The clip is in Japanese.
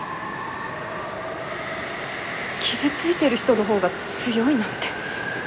傷ついてる人の方が強いなんて。